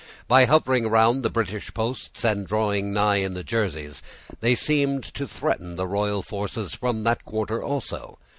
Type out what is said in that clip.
By hovering around the British posts, and drawing nigh in the Jerseys, they seemed to threaten the royal forces from that quarter also.